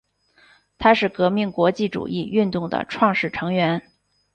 它是革命国际主义运动的创始成员。